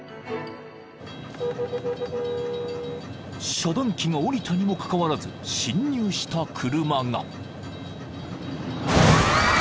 ［遮断機が下りたにもかかわらず進入した車が］